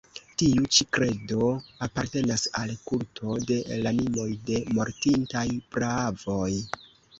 Tiu ĉi kredo apartenas al kulto de l' animoj de mortintaj praavoj.